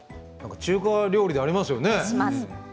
中華料理でありますよね。